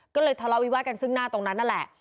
ก็เลยทะเลาะวิวาสกันซึ่งหน้าตรงนั้นนั่นแหละ